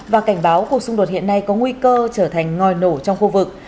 và cảnh báo cuộc xung đột hiện nay có nguy cơ trở thành ngòi nổ trong khu vực